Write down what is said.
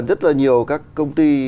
rất là nhiều các công ty